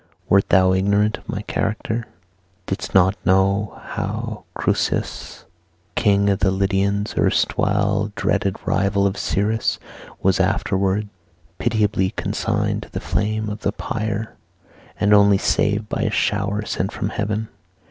Wert thou ignorant of my character? Didst not know how Croesus, King of the Lydians, erstwhile the dreaded rival of Cyrus, was afterwards pitiably consigned to the flame of the pyre, and only saved by a shower sent from heaven?